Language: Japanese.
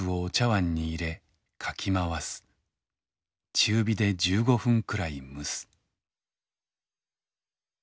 中火で１５分くらいむす」。